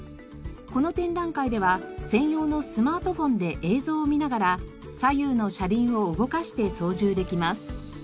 この展覧会では専用のスマートフォンで映像を見ながら左右の車輪を動かして操縦できます。